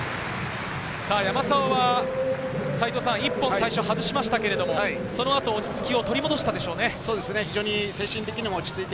山沢は１本、最初は外しましたけれど、そのあと落ち着きを取り戻したでしょうね。